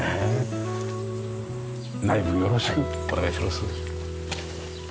内部もよろしくお願いします。